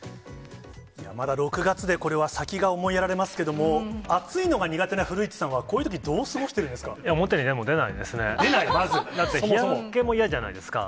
まだ６月で、これは先が思いやられますけれども、暑いのが苦手な古市さんは、こういうとき、どう過ごしてるん表に出ないですね。